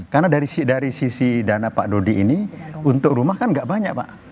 karena dari sisi dana pak dodi ini untuk rumah kan gak banyak pak